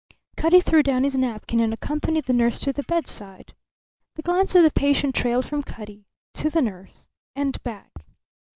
Cutty threw down his napkin and accompanied the nurse to the bedside. The glance of the patient trailed from Cutty to the nurse and back.